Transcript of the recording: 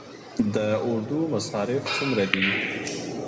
د اردو مصارف څومره دي؟